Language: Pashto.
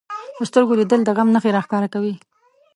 په سترګو لیدل د غم نښې راښکاره کوي